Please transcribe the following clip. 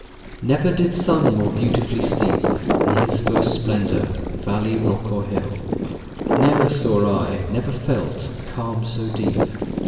Never did sun more beautifully steep In his first splendour, valley, rock, or hill; Ne'er saw I, never felt, a calm so deep!